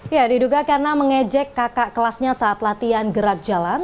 ya diduga karena mengejek kakak kelasnya saat latihan gerak jalan